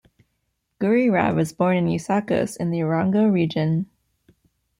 Gurirab was born in Usakos in the Erongo Region.